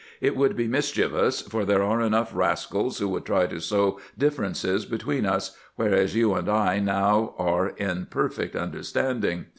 It would be mischievous, for there are enough rascals who would try to sow differences between us, whereas you and I now are in perfect understanding.